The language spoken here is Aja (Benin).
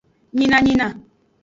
Nyinanyina.